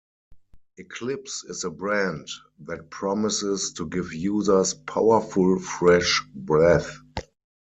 Eclipse is a brand that promises to give users "powerful fresh breath".